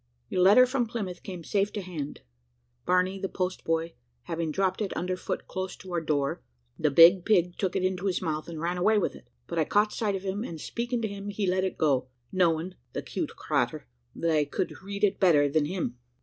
Your letter from Plymouth came safe to hand: Barney, the post boy, having dropped it under foot close to our door, the big pig took it into his mouth and ran away with it; but I caught sight of him, and speaking to him, he let it go, knowing (the 'cute cratur!) that I could read it better than him.